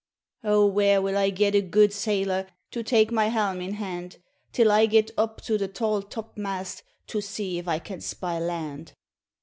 *O where will I get a gude sailor, To take my helm in hand, Till I get up to the tall top mast; To see if I can spy land?'